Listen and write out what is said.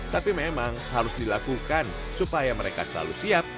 tapi memang harus dilakukan supaya mereka selalu siap